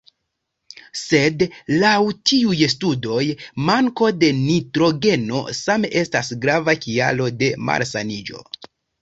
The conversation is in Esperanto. Sed laŭ tiuj studoj, manko de nitrogeno same estas grava kialo de malsaniĝo.